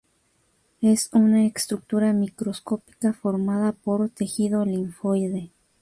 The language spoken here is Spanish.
Es una estructura microscópica formada por tejido linfoide.